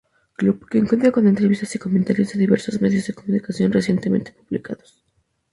Club" que cuenta con entrevistas y comentarios de diversos medios de comunicación recientemente publicados.